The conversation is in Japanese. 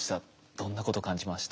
どんなこと感じました？